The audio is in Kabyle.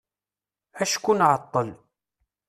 Acku nɛeṭṭel.